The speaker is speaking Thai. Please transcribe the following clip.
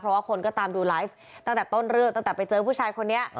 เพราะว่าคนก็ตามดูไลฟ์ตั้งแต่ต้นเรื่องตั้งแต่ไปเจอผู้ชายคนนี้